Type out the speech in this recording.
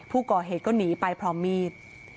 ผู้ก่อเหตุก็หนีไปพร้อมมีด